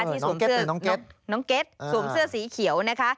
น้องเก็ตหรือน้องเก็ตสวมเสื้อสีเขียวนะคะ